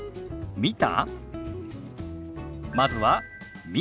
「見た？」。